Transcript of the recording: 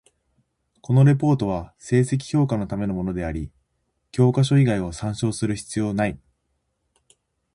このレポートは成績評価のためのものであり、教科書以外を参照する必要なない。